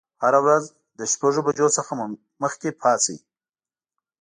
هره ورځ له شپږ بجو څخه مخکې پاڅئ.